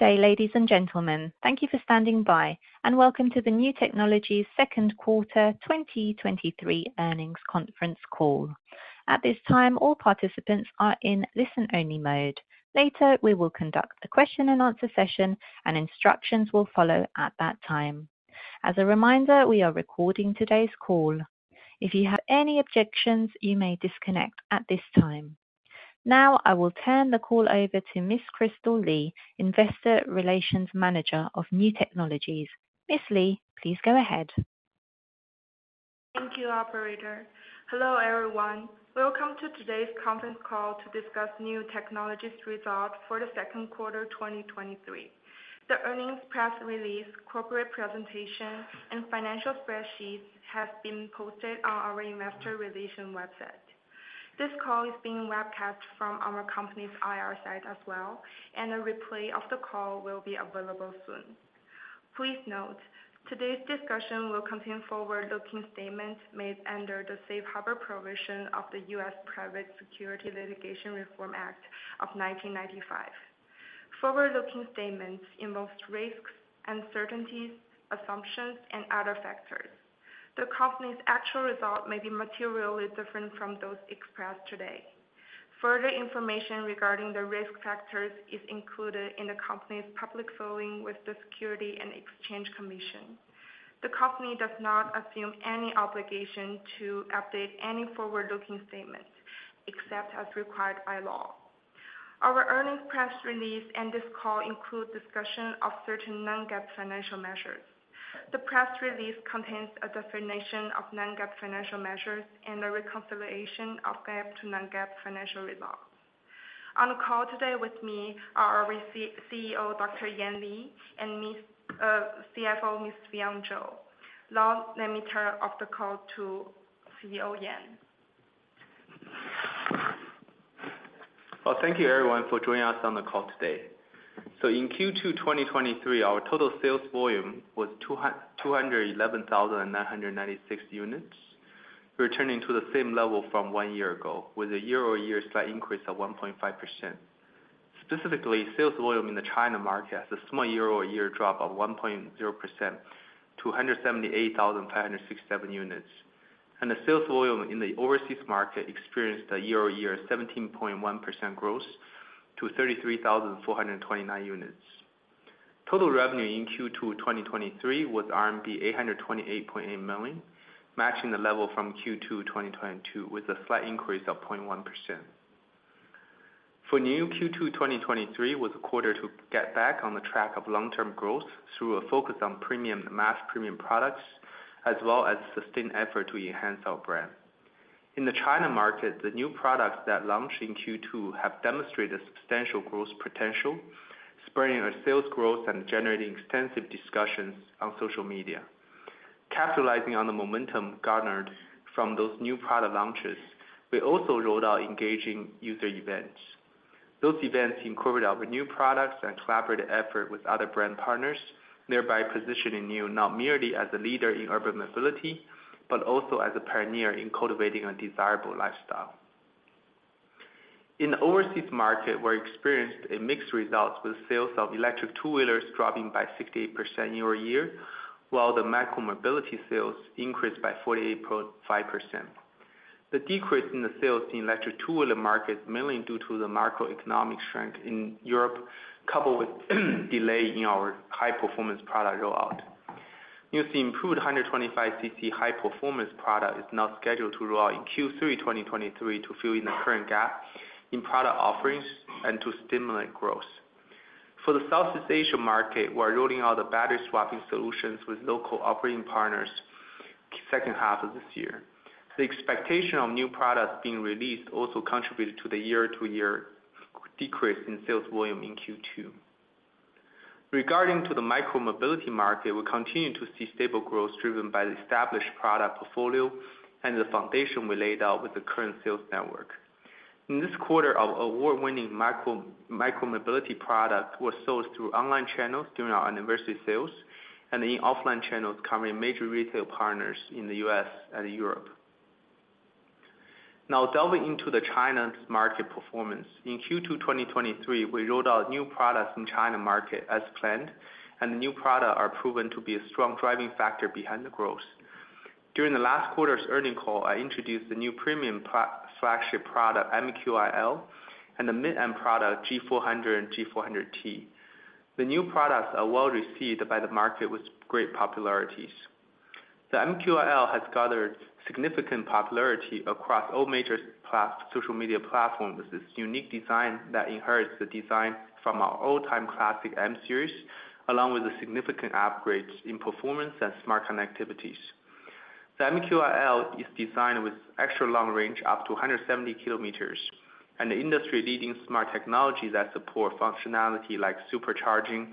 Good day, ladies and gentlemen. Thank you for standing by, and welcome to the Niu Technologies Second Quarter 2023 Earnings Conference Call. At this time, all participants are in listen-only mode. Later, we will conduct a question-and-answer session, and instructions will follow at that time. As a reminder, we are recording today's call. If you have any objections, you may disconnect at this time. Now, I will turn the call over to Miss Kristal Li, Investor Relations Manager of Niu Technologies. Miss Li, please go ahead. Thank you, operator. Hello, everyone. Welcome to today's conference call to discuss Niu Technologies result for the second quarter, 2023. The earnings press release, corporate presentation, and financial spreadsheets have been posted on our investor relation website. This call is being webcast from our company's IR site as well, and a replay of the call will be available soon. Please note, today's discussion will contain forward-looking statements made under the safe harbor provision of the U.S. Private Securities Litigation Reform Act of 1995. Forward-looking statements involve risks, uncertainties, assumptions, and other factors. The company's actual result may be materially different from those expressed today. Further information regarding the risk factors is included in the company's public filing with the Securities and Exchange Commission. The company does not assume any obligation to update any forward-looking statements, except as required by law. Our earnings press release and this call include discussion of certain non-GAAP financial measures. The press release contains a definition of non-GAAP financial measures and a reconciliation of GAAP to non-GAAP financial results. On the call today with me are our CEO, Dr. Yan Li, and CFO, Miss Fion Zhou. Now, let me turn off the call to CEO Yan. Well, thank you, everyone, for joining us on the call today. In Q2, 2023, our total sales volume was 211,996 units, returning to the same level from one year ago, with a year-over-year slight increase of 1.5%. Specifically, sales volume in the China market has a small year-over-year drop of 1.0% to 178,567 units. The sales volume in the overseas market experienced a year-over-year 17.1% growth to 33,429 units. Total revenue in Q2, 2023, was RMB 828.8 million, matching the level from Q2, 2022, with a slight increase of 0.1%. For NIU, Q2 2023, was a quarter to get back on the track of long-term growth through a focus on premium, mass premium products, as well as sustained effort to enhance our brand. In the China market, the new products that launched in Q2 have demonstrated substantial growth potential, spreading our sales growth and generating extensive discussions on social media. Capitalizing on the momentum garnered from those new product launches, we also rolled out engaging user events. Those events incorporated our new products and collaborative effort with other brand partners, thereby positioning NIU not merely as a leader in urban mobility, but also as a pioneer in cultivating a desirable lifestyle. In the overseas market, we experienced a mixed result with sales of electric two-wheelers dropping by 68% year-over-year, while the micro-mobility sales increased by 48.5%. The decrease in the sales in electric two-wheeler market is mainly due to the macroeconomic strength in Europe, coupled with delay in our high-performance product rollout. NIU's improved 125cc high-performance product is now scheduled to roll out in Q3 2023, to fill in the current gap in product offerings and to stimulate growth. For the Southeast Asia market, we're rolling out the battery swapping solutions with local operating partners, second half of this year. The expectation of new products being released also contributed to the year-over-year decrease in sales volume in Q2. Regarding to the micro-mobility market, we continue to see stable growth driven by the established product portfolio and the foundation we laid out with the current sales network. In this quarter, our award-winning micro-mobility product was sold through online channels during our anniversary sales and in offline channels, covering major retail partners in the U.S. and Europe. Now, delving into the China's market performance. In Q2 2023, we rolled out new products in China market as planned, the new product are proven to be a strong driving factor behind the growth. During the last quarter's earning call, I introduced the new premium flagship product, MQiL, and the mid-end product, G400 and G400T. The new products are well received by the market with great popularities. The MQiL has gathered significant popularity across all major social media platforms. With this unique design that inherits the design from our all-time classic M series, along with the significant upgrades in performance and smart connectivities. The MQiL is designed with extra long range, up to 170km, and the industry-leading smart technology that support functionality like supercharging,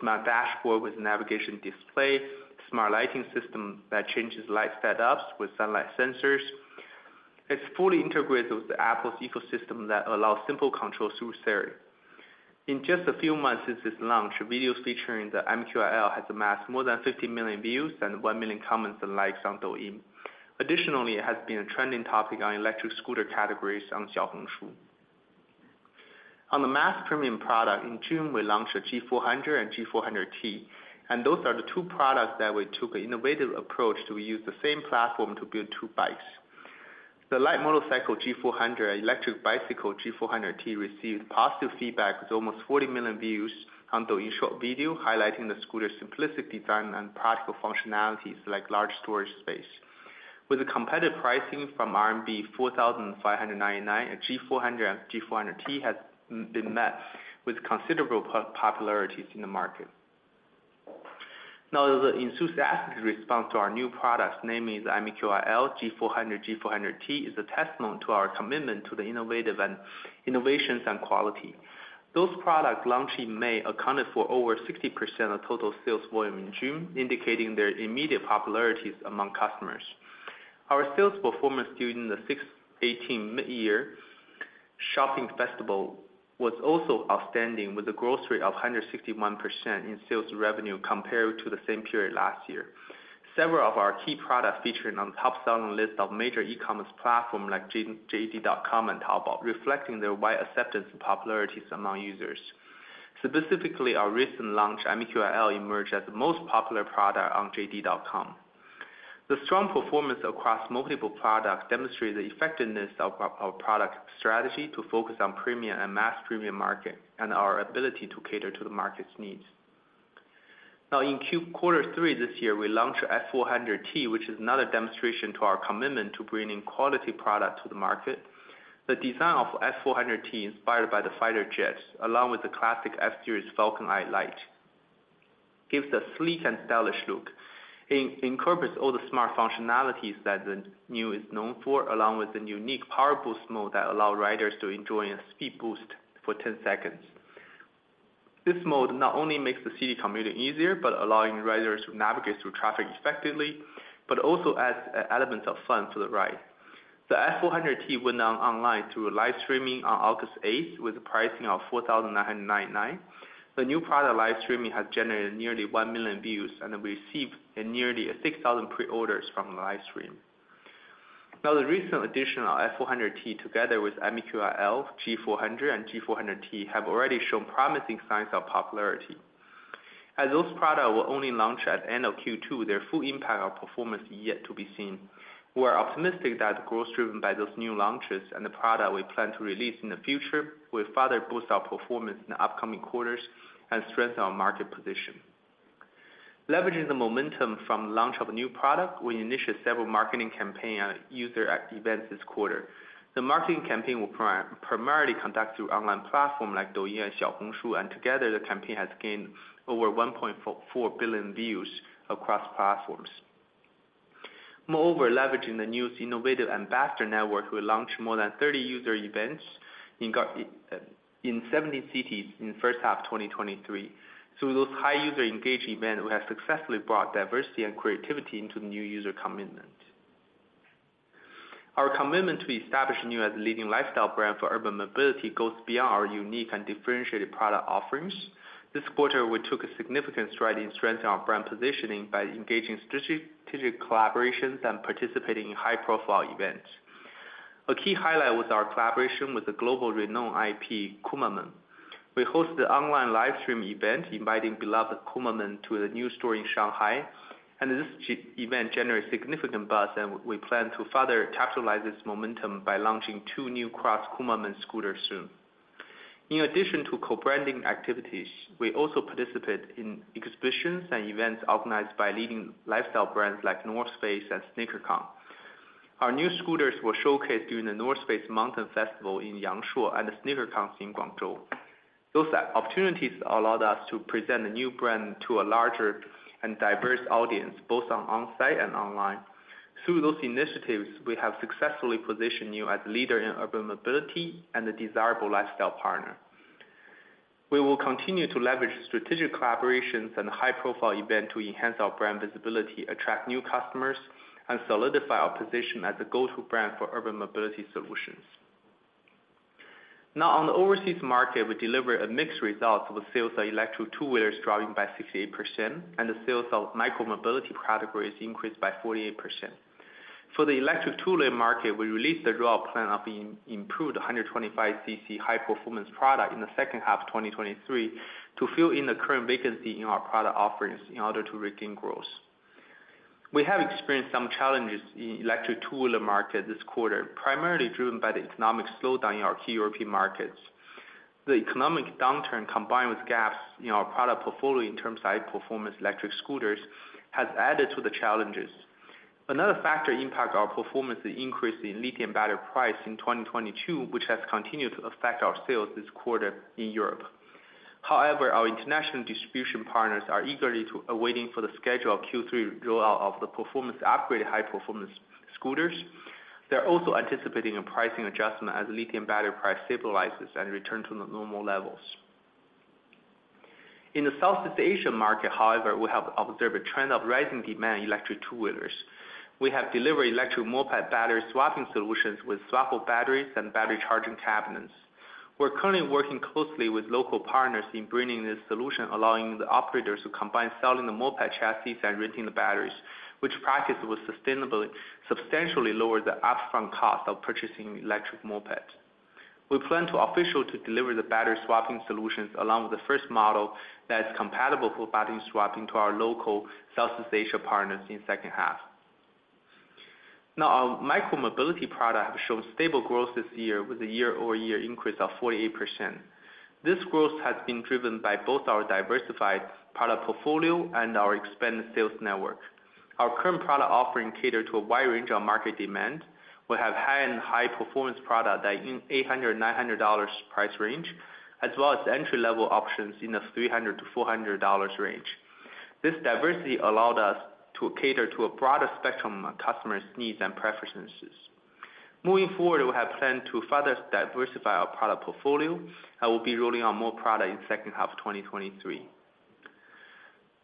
smart dashboard with navigation display, smart lighting system that changes light setups with sunlight sensors. It's fully integrated with the Apple ecosystem that allows simple control through Siri. In just a few months since its launch, videos featuring the MQiL has amassed more than 50 million views and 1 million comments and likes on Douyin. Additionally, it has been a trending topic on electric scooter categories on Xiaohongshu. On the mass premium product, in June, we launched a G400 and G400T. Those are the two products that we took an innovative approach to. We used the same platform to build two bikes. The light motorcycle, G400, and electric bicycle, G400T, received positive feedback with almost 40 million views on Douyin short video, highlighting the scooter's simplistic design and practical functionalities, like large storage space. With a competitive pricing from RMB 4,599, G400 and G400T has been met with considerable popularity in the market. The enthusiastic response to our new products, namely the MQiL, G400, G400T, is a testament to our commitment to the innovative and innovations and quality. Those products launched in May, accounted for over 60% of total sales volume in June, indicating their immediate popularities among customers. Our sales performance during the Six-eighteen midyear shopping festival was also outstanding, with a growth rate of 161% in sales revenue compared to the same period last year. Several of our key products featured on top-selling list of major e-commerce platform like JD.com and Taobao, reflecting their wide acceptance and popularities among users. Specifically, our recent launch, MQiL, emerged as the most popular product on JD.com. The strong performance across multiple products demonstrate the effectiveness of our product strategy to focus on premium and mass premium market, and our ability to cater to the market's needs. Now, in Q3 this year, we launched S400T, which is another demonstration to our commitment to bringing quality product to the market. The design of S400T, inspired by the fighter jets, along with the classic S-series Falcon Eyes light, gives a sleek and stylish look. It incorporates all the smart functionalities that the NIU is known for, along with the unique power boost mode that allow riders to enjoy a speed boost for 10 seconds. This mode not only makes the city commuting easier, but allowing riders to navigate through traffic effectively, but also adds elements of fun to the ride. The S400T went on, online through a live streaming on August 8th, with a pricing of 4,999. The new product live streaming has generated nearly 1 million views, and we received nearly 6,000 pre-orders from the live stream. The recent addition of S400T, together with MQiL, G400 and G400T, have already shown promising signs of popularity. As those products were only launched at end of Q2, their full impact on performance is yet to be seen. We are optimistic that the growth driven by those new launches and the product we plan to release in the future, will further boost our performance in the upcoming quarters and strengthen our market position. Leveraging the momentum from the launch of a new product, we initiated several marketing campaign on user events this quarter. The marketing campaign will primarily conduct through online platform like Douyin and Xiaohongshu, together, the campaign has gained over 1.4 billion views across platforms. Moreover, leveraging the NIU's innovative ambassador network, we launched more than 30 user events in 17 cities in the first half of 2023. Through those high user engaged events, we have successfully brought diversity and creativity into the NIU user commitment. Our commitment to establishing NIU as a leading lifestyle brand for urban mobility, goes beyond our unique and differentiated product offerings. This quarter, we took a significant stride in strengthening our brand positioning by engaging strategic collaborations and participating in high-profile events. A key highlight was our collaboration with the global renowned IP, Kumamon. We hosted the online live stream event, inviting beloved Kumamon to the NIU store in Shanghai, and this event generated significant buzz, and we plan to further capitalize this momentum by launching two new cross Kumamon scooters soon. In addition to co-branding activities, we also participate in exhibitions and events organized by leading lifestyle brands like The North Face and Sneaker Con. Our new scooters were showcased during The North Face Mountain Festival in Yangshuo and the Sneaker Con in Guangzhou. Those opportunities allowed us to present the NIU brand to a larger and diverse audience, both on-site and online. Through those initiatives, we have successfully positioned NIU as a leader in urban mobility and a desirable lifestyle partner. We will continue to leverage strategic collaborations and high-profile event to enhance our brand visibility, attract new customers, and solidify our position as the go-to brand for urban mobility solutions. Now, on the overseas market, we delivered a mixed result, with sales of electric two-wheelers dropping by 68%, and the sales of micro-mobility categories increased by 48%. For the electric two-wheeler market, we released the rollout plan of improved 125cc high-performance product in the second half of 2023, to fill in the current vacancy in our product offerings in order to regain growth. We have experienced some challenges in electric two-wheeler market this quarter, primarily driven by the economic slowdown in our key European markets. The economic downturn, combined with gaps in our product portfolio in terms of high-performance electric scooters, has added to the challenges. Another factor impact our performance, the increase in lithium battery price in 2022, which has continued to affect our sales this quarter in Europe. However, our international distribution partners are eagerly awaiting for the schedule of Q3 rollout of the performance- upgraded high-performance scooters. They're also anticipating a pricing adjustment as lithium battery price stabilizes and return to normal levels. In the Southeast Asia market, however, we have observed a trend of rising demand in electric two-wheelers. We have delivered electric moped battery swapping solutions with swappable batteries and battery charging cabinets.... We're currently working closely with local partners in bringing this solution, allowing the operators to combine selling the moped chassis and renting the batteries, which practice will sustainably, substantially lower the upfront cost of purchasing electric mopeds. We plan to official deliver the battery swapping solutions, along with the first model that is compatible for battery swapping to our local Southeast Asia partners in second half. Our micro-mobility product have shown stable growth this year, with a year-over-year increase of 48%. This growth has been driven by both our diversified product portfolio and our expanded sales network. Our current product offering cater to a wide range of market demand. We have high and high performance product that in $800-$900 price range, as well as entry-level options in the $300-$400 range. This diversity allowed us to cater to a broader spectrum of customers' needs and preferences. Moving forward, we have planned to further diversify our product portfolio, and we'll be rolling out more product in second half of 2023.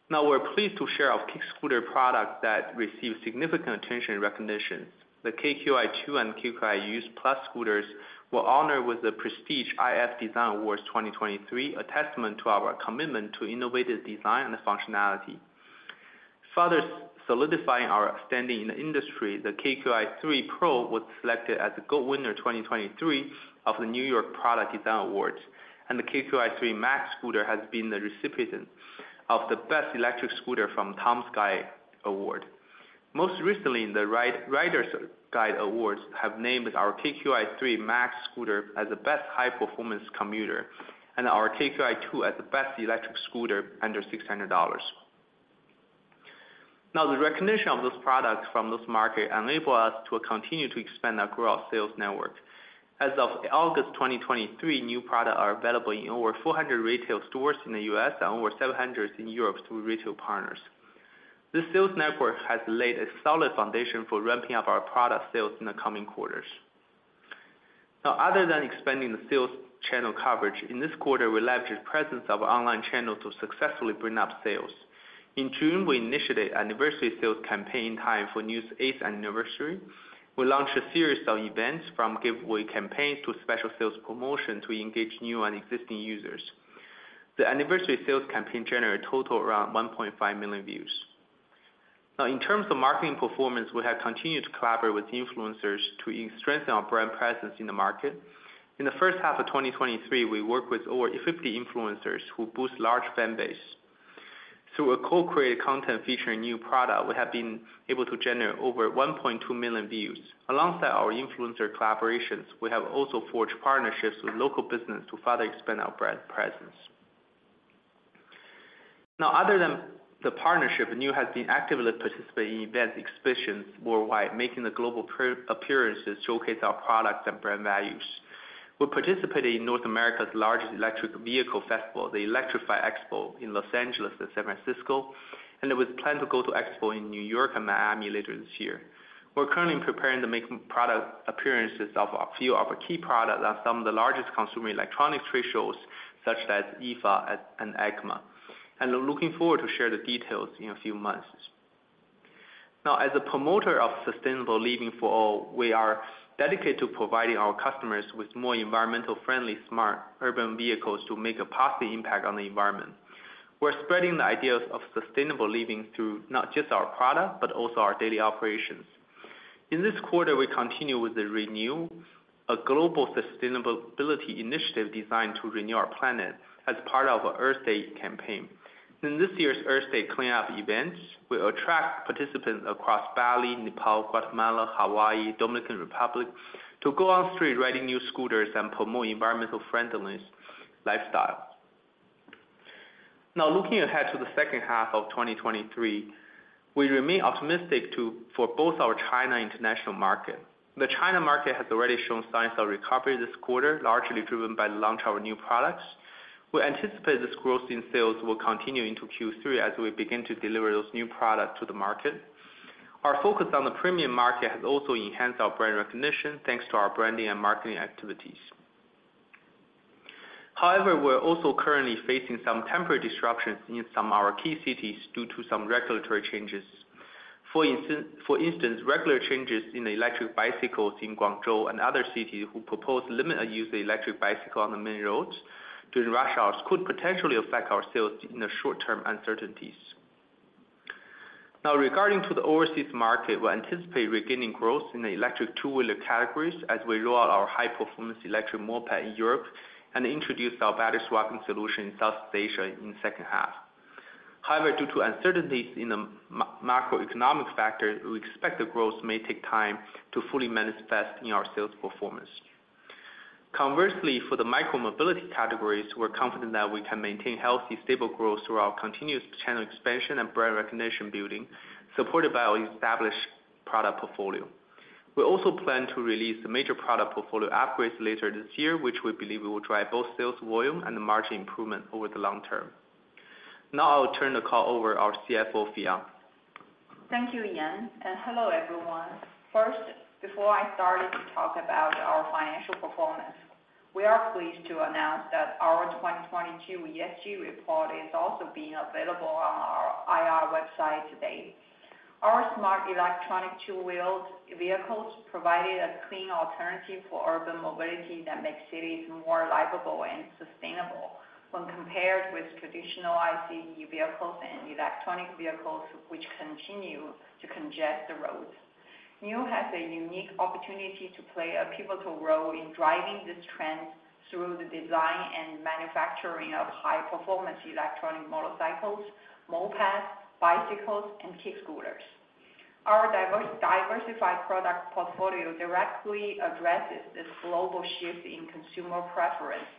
We're pleased to share our kick scooter product that received significant attention and recognition. The KQi2 and KQi Youth+ scooters were honored with the prestigious iF Design Awards 2023, a testament to our commitment to innovative design and functionality. Further solidifying our standing in the industry, the KQi3 Pro was selected as the Gold Winner 2023 of the New York Product Design Awards, and the KQi3 Max scooter has been the recipient of the Best Electric Scooter from Tom's Guide Award. Most recently, the Rider's Guide Awards have named our KQi3 Max scooter as the best high-performance commuter, and our KQi2 as the best electric scooter under $600. Now, the recognition of this product from this market enable us to continue to expand our growth sales network. As of August 2023, new products are available in over 400 retail stores in the U.S. and over 700 in Europe through retail partners. This sales network has laid a solid foundation for ramping up our product sales in the coming quarters. Now, other than expanding the sales channel coverage, in this quarter, we leveraged presence of online channels to successfully bring up sales. In June, we initiated anniversary sales campaign, time for NIU's eighth anniversary. We launched a series of events, from giveaway campaigns to special sales promotions, to engage new and existing users. The anniversary sales campaign generated a total around 1.5 million views. Now, in terms of marketing performance, we have continued to collaborate with influencers to strengthen our brand presence in the market. In the first half of 2023, we worked with over 50 influencers, who boost large fan base. Through a co-created content featuring new product, we have been able to generate over 1.2 million views. Alongside our influencer collaborations, we have also forged partnerships with local business to further expand our brand presence. Other than the partnership, NIU has been actively participating in events, exhibitions worldwide, making the global appearances, showcase our products and brand values. We participated in North America's largest electric vehicle festival, the Electrify Expo, in Los Angeles and San Francisco, and it was planned to go to Electrify Expo in New York and Miami later this year. We're currently preparing to make product appearances of a few of our key products at some of the largest consumer electronic trade shows, such as IFA and EICMA, and I'm looking forward to share the details in a few months. As a promoter of sustainable living for all, we are dedicated to providing our customers with more environmental friendly, smart, urban vehicles to make a positive impact on the environment. We're spreading the ideas of sustainable living through not just our products, but also our daily operations. In this quarter, we continue with the Renew, a global sustainability initiative designed to renew our planet as part of our Earth Day campaign. In this year's Earth Day clean-up events, we attract participants across Bali, Nepal, Guatemala, Hawaii, Dominican Republic, to go on street, riding NIU scooters and promote environmental friendliness lifestyle. Now, looking ahead to the second half of 2023, we remain optimistic for both our China international market. The China market has already shown signs of recovery this quarter, largely driven by the launch of our NIU products. We anticipate this growth in sales will continue into Q3 as we begin to deliver those NIU products to the market. Our focus on the premium market has also enhanced our brand recognition, thanks to our branding and marketing activities. However, we're also currently facing some temporary disruptions in some our key cities due to some regulatory changes. For instance, regulatory changes in the electric bicycles in Guangzhou and other cities, who propose limit a use of electric bicycle on the main roads during rush hours, could potentially affect our sales in the short-term uncertainties. Now, regarding to the overseas market, we anticipate regaining growth in the electric two-wheeler categories as we roll out our high-performance electric moped in Europe, and introduce our battery swapping solution in Southeast Asia in second half. Due to uncertainties in the macroeconomic factors, we expect the growth may take time to fully manifest in our sales performance. Conversely, for the micromobility categories, we're confident that we can maintain healthy, stable growth through our continuous channel expansion and brand recognition building, supported by our established product portfolio. We also plan to release the major product portfolio upgrades later this year, which we believe will drive both sales volume and the margin improvement over the long term. Now I will turn the call over our CFO, Fion. Thank you, Yan. Hello, everyone. First, before I start to talk about our financial performance, we are pleased. 2022 ESG report is also being available on our IR website today. Our smart electric two-wheeled vehicles provided a clean alternative for urban mobility that makes cities more livable and sustainable when compared with traditional ICE vehicles and electric vehicles, which continue to congest the roads. NIU has a unique opportunity to play a pivotal role in driving this trend through the design and manufacturing of high-performance electric motorcycles, mopeds, bicycles, and kick scooters. Our diversified product portfolio directly addresses this global shift in consumer preference.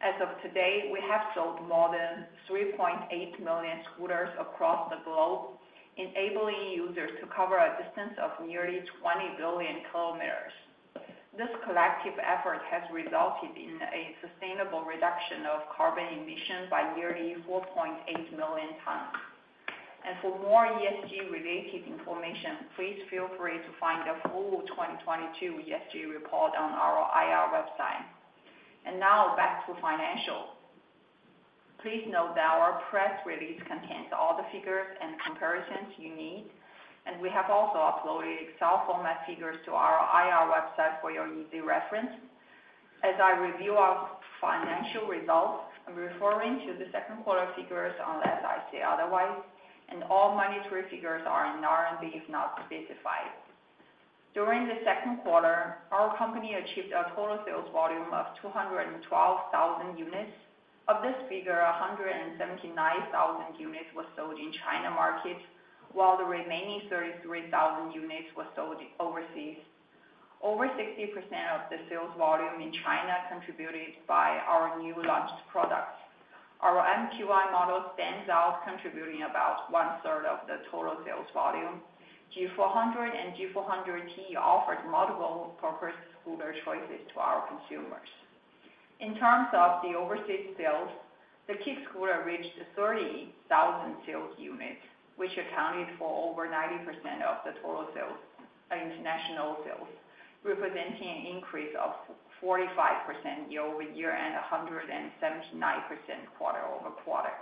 As of today, we have sold more than 3.8 million scooters across the globe, enabling users to cover a distance of nearly 20 billion km. This collective effort has resulted in a sustainable reduction of carbon emissions by nearly 4.8 million tons. For more ESG-related information, please feel free to find the full 2022 ESG report on our IR website. Now, back to financial. Please note that our press release contains all the figures and comparisons you need, and we have also uploaded Excel-format figures to our IR website for your easy reference. As I review our financial results, I'm referring to the second quarter figures unless I say otherwise, and all monetary figures are in RMB, if not specified. During the second quarter, our company achieved a total sales volume of 212,000 units. Of this figure, 179,000 units were sold in China market, while the remaining 33,000 units were sold overseas. Over 60% of the sales volume in China contributed by our new launched products. Our MQiL model stands out, contributing about 1/3 of the total sales volume. G400 and G400T offered multiple-purpose scooter choices to our consumers. In terms of the overseas sales, the kick scooter reached 30,000 sales units, which accounted for over 90% of the total sales, international sales, representing an increase of 45% year-over-year, and 179% quarter-over-quarter.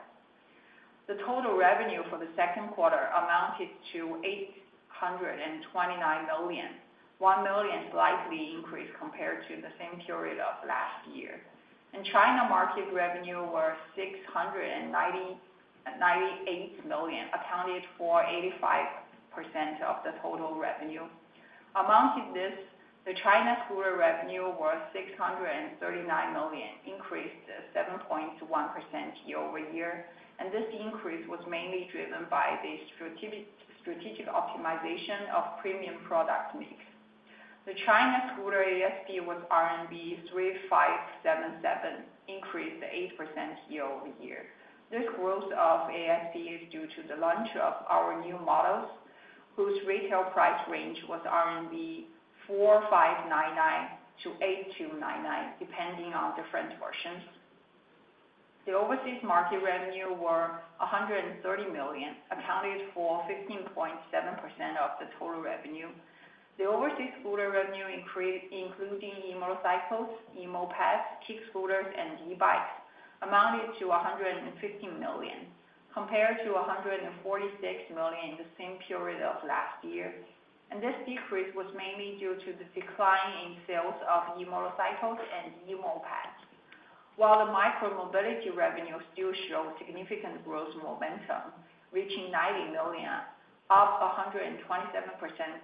The total revenue for the second quarter amounted to 829 million, 1 million slightly increase compared to the same period of last year. China market revenue was 698 million, accounted for 85% of the total revenue. Among this, the China scooter revenue was 639 million, increased 7.1% year-over-year, this increase was mainly driven by the strategic optimization of premium product mix. The China scooter ASP was RMB 3,577, increased 8% year-over-year. This growth of ASP is due to the launch of our new models, whose retail price range was RMB 4,599-8,299, depending on different versions. The overseas market revenue were 130 million, accounted for 15.7% of the total revenue. The overseas scooter revenue including e-motorcycles, e-mopeds, kick scooters, and e-bikes, amounted to 150 million, compared to 146 million in the same period of last year. This decrease was mainly due to the decline in sales of e-motorcycles and e-mopeds. While the Micro-mobility revenue still showed significant growth momentum, reaching 90 million, up 127%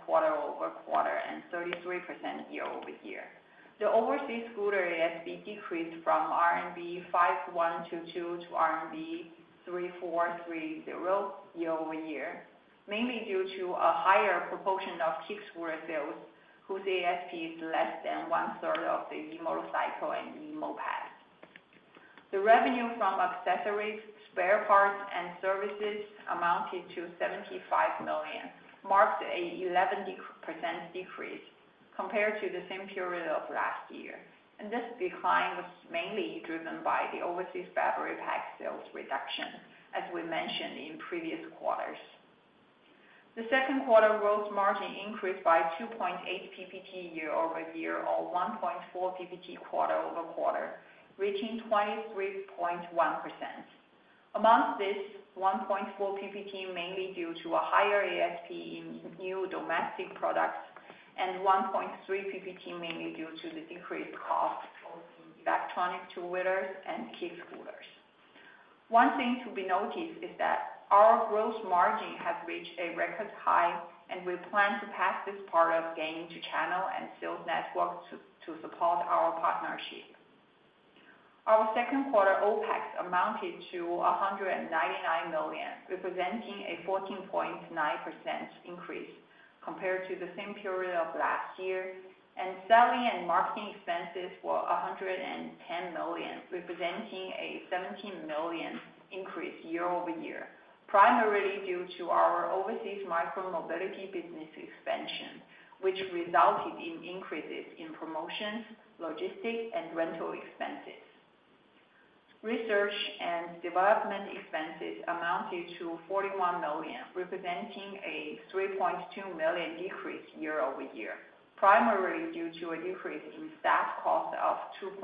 quarter-over-quarter, and 33% year-over-year. The overseas scooter ASP decreased from RMB 5,122 to RMB 3,430 year-over-year, mainly due to a higher proportion of kick scooter sales, whose ASP is less than one-third of the e-motorcycle and e-moped. The revenue from accessories, spare parts, and services amounted to 75 million, marked an 11% decrease compared to the same period of last year. This decline was mainly driven by the overseas battery pack sales reduction, as we mentioned in previous quarters. The second quarter gross margin increased by 2.8 PPT year-over-year, or 1.4 PPT quarter-over-quarter, reaching 23.1%. Amongst this, 1.4 PPT, mainly due to a higher ASP in new domestic products, and 1.3 PPT, mainly due to the decreased cost of electronic two-wheelers and kick scooters. One thing to be noticed is that our gross margin has reached a record high, we plan to pass this part of gain to channel and sales network to support our partnership. Our second quarter OpEx amounted to 199 million, representing a 14.9% increase compared to the same period of last year. Selling and marketing expenses were 110 million, representing a 17 million increase year-over-year, primarily due to our overseas micro-mobility business expansion, which resulted in increases in promotions, logistics, and rental expenses. Research and development expenses amounted to 41 million, representing a 3.2 million decrease year-over-year, primarily due to a decrease in staff cost of 2.1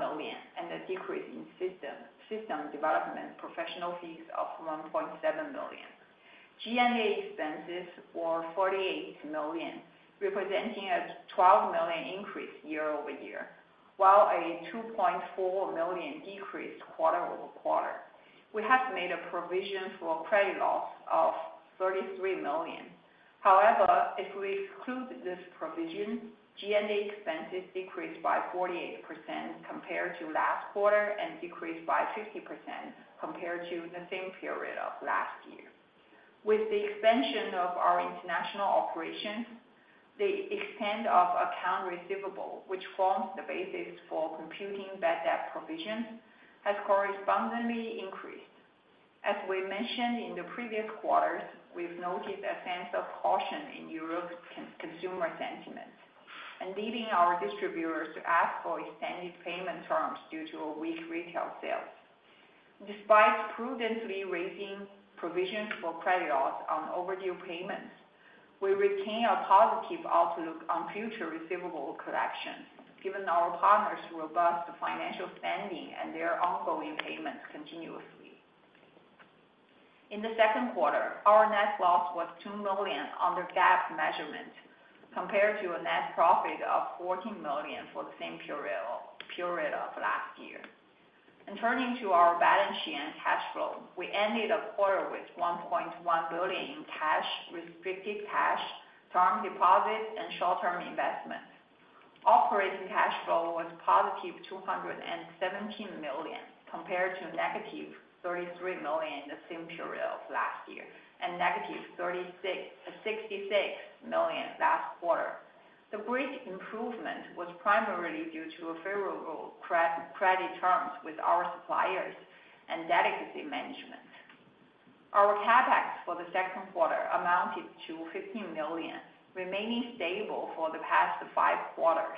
million, and a decrease in system, system development professional fees of 1.7 million. G&A expenses were 48 million, representing a 12 million increase year-over-year, while a 2.4 million decreased quarter-over-quarter. We have made a provision for credit loss of 33 million. However, if we exclude this provision, G&A expenses decreased by 48% compared to last quarter and decreased by 50% compared to the same period of last year. With the expansion of our international operations, the extent of account receivable, which forms the basis for computing bad debt provisions, has correspondingly increased. As we mentioned in the previous quarters, we've noted a sense of caution in Europe's consumer sentiment, leading our distributors to ask for extended payment terms due to weak retail sales. Despite prudently raising provisions for credit loss on overdue payments, we retain a positive outlook on future receivable collections, given our partners' robust financial standing and their ongoing payments continuously. In the second quarter, our net loss was 2 million under GAAP measurement, compared to a net profit of 14 million for the same period of last year. Turning to our balance sheet and cash flow, we ended the quarter with 1.1 billion in cash, restricted cash, term deposits, and short-term investments. Operating cash flow was positive 217 million, compared to negative 33 million in the same period of last year, and negative 66 million last quarter. The great improvement was primarily due to favorable credit terms with our suppliers and debt management. Our CapEx for the second quarter amounted to 15 million, remaining stable for the past five quarters.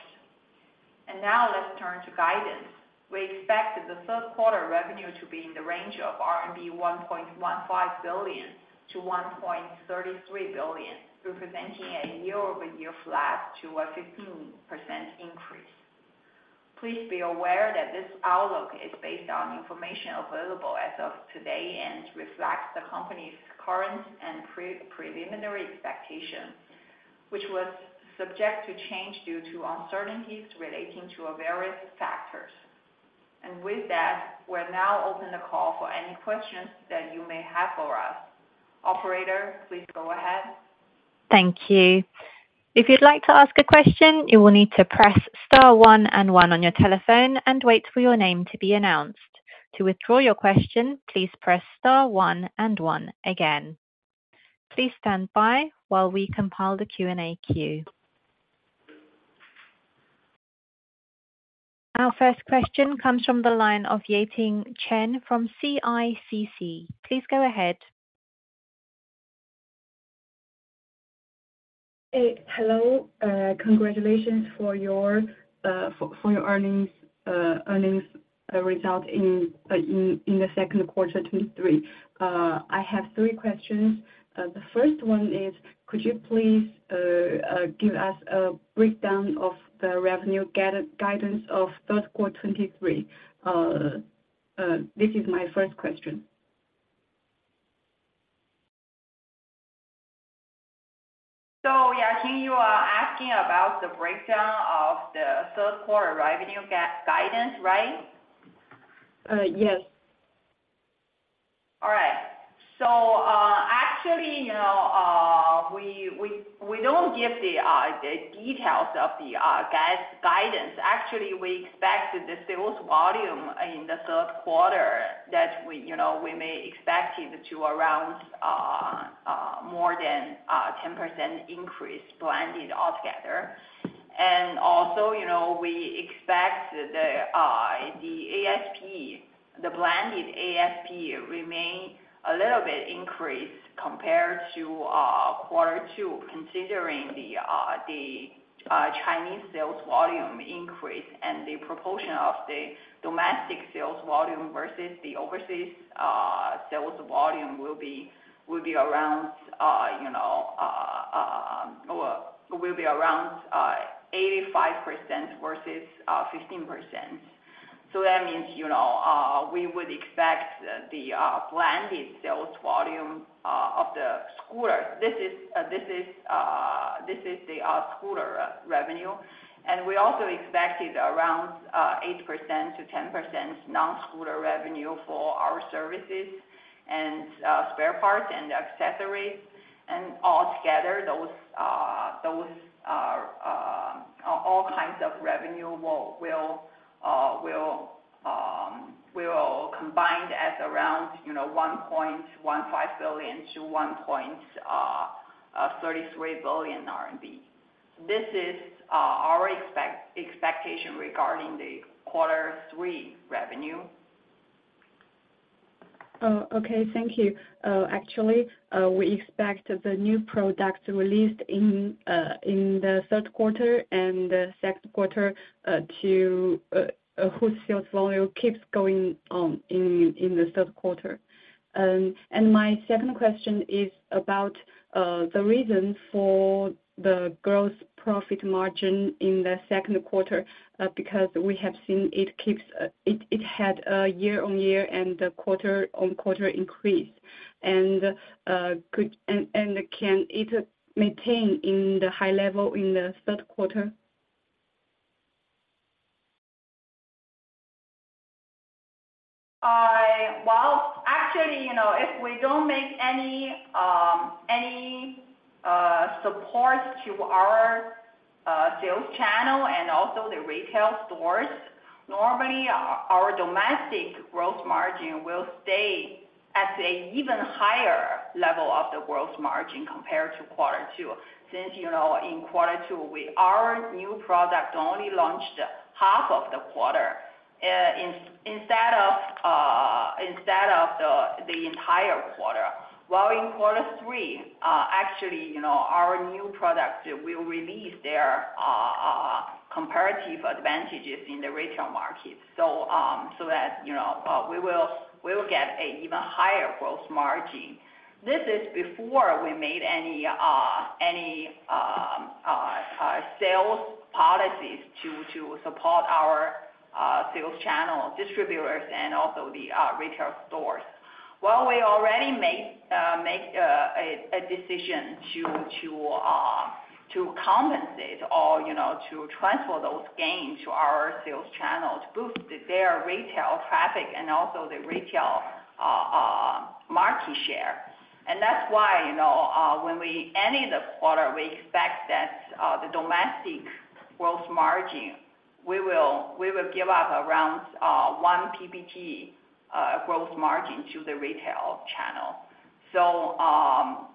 Now let's turn to guidance. We expect the third quarter revenue to be in the range of 1.15 billion-1.33 billion RMB, representing a year-over-year flat to a 15% increase. Please be aware that this outlook is based on information available as of today and reflects the company's current and preliminary expectations, which was subject to change due to uncertainties relating to various factors. With that, we'll now open the call for any questions that you may have for us. Operator, please go ahead. Thank you. If you'd like to ask a question, you will need to press star one and one on your telephone and wait for your name to be announced. To withdraw your question, please press star one and one again. Please stand by while we compile the Q&A queue. Our first question comes from the line of Yating Chen from CICC. Please go ahead. Hey, hello, congratulations for your earnings result in the second quarter 2023. I have three questions. The first one is, could you please, give us a breakdown of the revenue guidance of third quarter 2023? This is my first question. Yating, you are asking about the breakdown of the third quarter revenue gap guidance, right? Yes. All right. Actually, you know, we, we, we don't give the details of the guidance. Actually, we expect the sales volume in the third quarter that we, you know, we may expect it to around more than 10% increase blended altogether. Also, you know, we expect the ASP, the blended ASP remain a little bit increased compared to Q2, considering the Chinese sales volume increase and the proportion of the domestic sales volume versus the overseas sales volume will be, will be around, you know, will, will be around 85% versus 15%. That means, you know, we would expect the blended sales volume of the scooters. This is, this is, this is the scooter revenue. We also expected around 8%-10% non-scooter revenue for our services and spare parts and accessories. Altogether, those, those, all kinds of revenue will, will, will, will combined at around, you know, 1.15 billion-1.33 billion RMB. This is our expectation regarding the quarter three revenue. Okay, thank you. Actually, we expect the new product released in the third quarter and the second quarter, to whose sales volume keeps going in the third quarter. My second question is about the reason for the gross profit margin in the second quarter, because we have seen it keeps, it had a year-on-year and a quarter-on-quarter increase. And can it maintain in the high level in the third quarter? I, well, actually, you know, if we don't make any, any support to our sales channel and also the retail stores, normally our, our domestic gross margin will stay at a even higher level of the gross margin compared to quarter two. Since, you know, in quarter two, our new product only launched half of the quarter, instead of, instead of the, the entire quarter. While in quarter three, actually, you know, our new product will release their comparative advantages in the retail market. So that, you know, we will, we will get a even higher gross margin. This is before we made any, any sales policies to, to support our sales channel distributors and also the retail stores. Well, we already made make a decision to compensate or, you know, to transfer those gains to our sales channels, to boost their retail traffic and also the retail market share. That's why, you know, when we end the quarter, we expect that the domestic growth margin, we will give up around 1 PPT margin to the retail channel.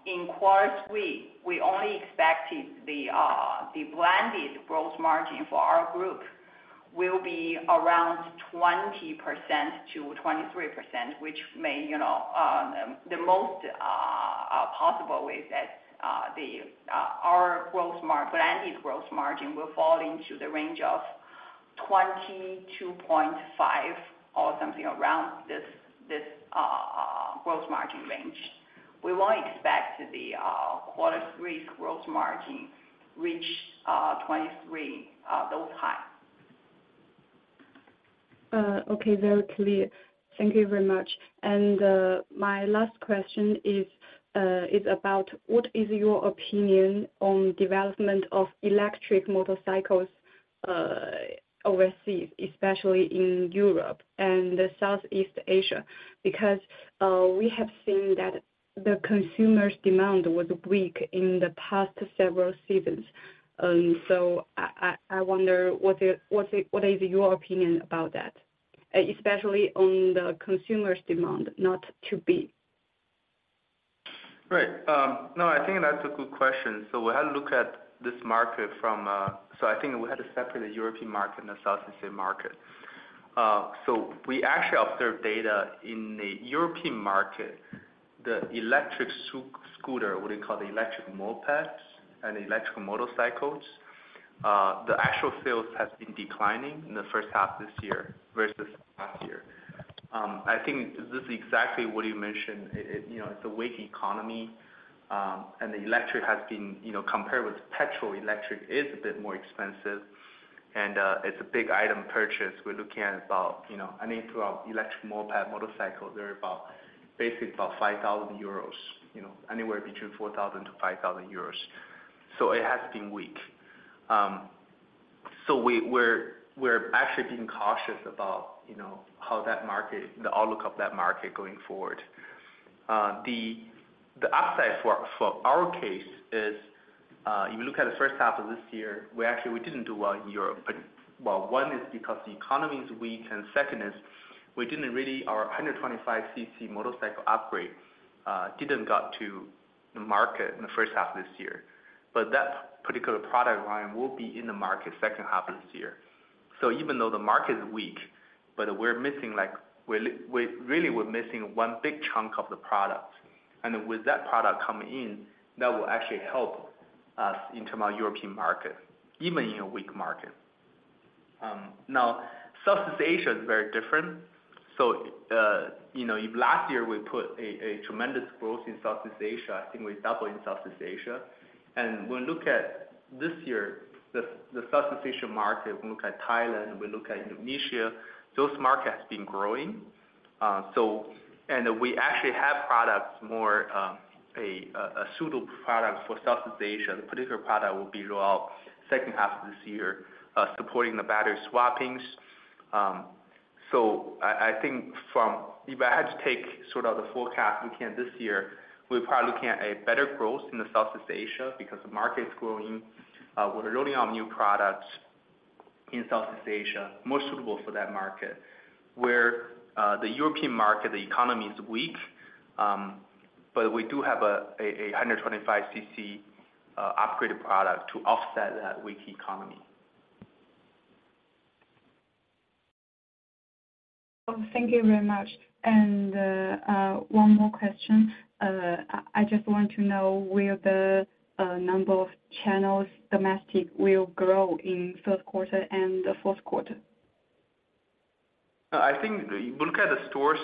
In quarter 3, we only expected the blended growth margin for our group will be around 20%-23%, which may, you know, the most possible way is that our blended growth margin will fall into the range of 22.5 or something around this growth margin range. We won't expect the quarter three gross margin reach 23 those height. Okay, very clear. Thank you very much. My last question is about, what is your opinion on development of electric motorcycles overseas, especially in Europe and Southeast Asia? We have seen that the consumers' demand was weak in the past several seasons. I wonder what is your opinion about that, especially on the consumers' demand, not to be? Right. No, I think that's a good question. We had to look at this market from. I think we had to separate the European market and the Southeast Asian market. We actually observed data in the European market, the electric scooter, what do you call the electric mopeds and electric motorcycles, the actual sales has been declining in the first half this year versus last year. I think this is exactly what you mentioned. It, it, you know, it's a weak economy, and the electric has been, you know, compared with petrol, electric is a bit more expensive, and it's a big item purchase. We're looking at about, you know, I think to our electric moped motorcycles, they're about basically about 5,000 euros, you know, anywhere between 4,000-5,000 euros. It has been weak. We're, we're actually being cautious about, you know, how that market, the outlook of that market going forward. The, the upside for, for our case is, if you look at the first half of this year, we actually we didn't do well in Europe. Well, One is because the economy is weak, and second is we didn't really, our 125cc motorcycle upgrade didn't got to the market in the first half of this year. That particular product line will be in the market second half of this year. Even though the market is weak, but we're missing like, we really we're missing one big chunk of the product. With that product coming in, that will actually help us into our European market, even in a weak market. Now, Southeast Asia is very different. You know, last year we put a tremendous growth in Southeast Asia. I think we doubled in Southeast Asia. When we look at this year, the Southeast Asia market, we look at Thailand, we look at Indonesia, those markets have been growing. We actually have products more a suitable product for Southeast Asia. The particular product will be rolled out second half of this year, supporting the battery swappings. I think from... If I had to take sort of the forecast, we can this year, we're probably looking at a better growth in the Southeast Asia because the market is growing. We're rolling out new products in Southeast Asia, more suitable for that market, where the European market, the economy is weak, but we do have a 125cc upgraded product to offset that weak economy. Thank you very much. One more question. I just want to know where the number of channels domestic will grow in third quarter and the fourth quarter? I think if you look at the stores,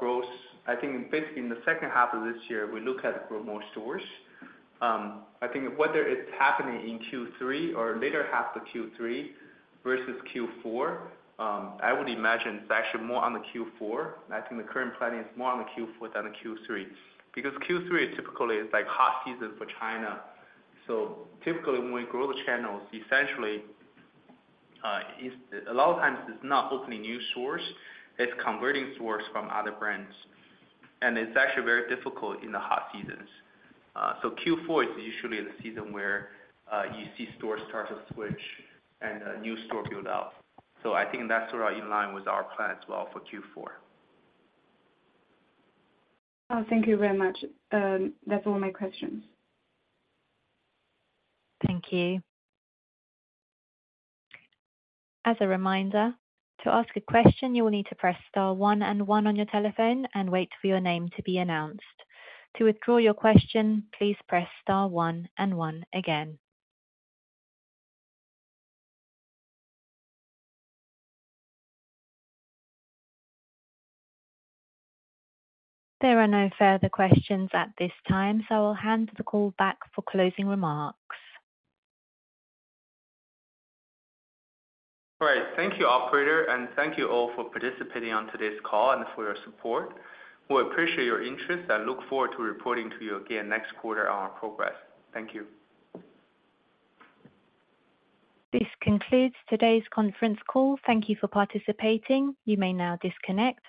growth, I think basically in the second half of this year, we look at grow more stores. I think whether it's happening in Q3 or later half of Q3 versus Q4, I would imagine it's actually more on the Q4. I think the current planning is more on the Q4 than the Q3, because Q3 typically is like hot season for China. Typically when we grow the channels, essentially, a lot of times it's not opening new stores, it's converting stores from other brands. It's actually very difficult in the hot seasons. Q4 is usually the season where you see stores start to switch and a new store build out. I think that's sort of in line with our plan as well for Q4. Oh, thank you very much. That's all my questions. Thank you. As a reminder, to ask a question, you will need to press star one and one on your telephone and wait for your name to be announced. To withdraw your question, please press star one and one again. There are no further questions at this time. I'll hand the call back for closing remarks. All right. Thank you, operator, and thank you all for participating on today's call and for your support. We appreciate your interest and look forward to reporting to you again next quarter on our progress. Thank you. This concludes today's conference call. Thank you for participating. You may now disconnect.